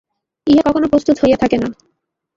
ইহা কখনো প্রস্তুত হইয়া থাকে না।